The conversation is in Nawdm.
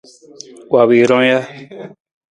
Wa wii wii ron ja?